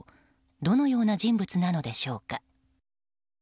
どのような人物なのでしょうか。